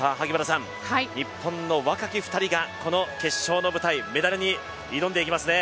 日本の若き２人がこの決勝の舞台、メダルに挑んでいきますね。